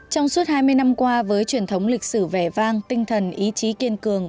trong suốt hai mươi năm qua với truyền thống lịch sử vẻ vang tinh thần ý chí kiên cường